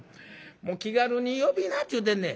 もう気軽に呼ぶなっちゅうてんねん。